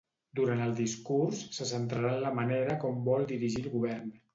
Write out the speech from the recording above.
Durant el discurs, se centrarà en la manera com vol dirigir el govern.